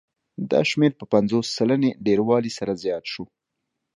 دا شمېر په پنځوس سلنې ډېروالي سره زیات شو